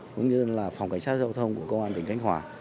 cũng như là phòng cảnh sát giao thông của công an tỉnh khánh hòa